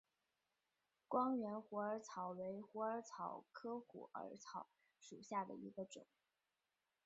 光缘虎耳草为虎耳草科虎耳草属下的一个种。